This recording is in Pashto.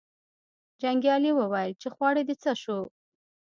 جنګیالي وویل چې خواړه دې څه شو.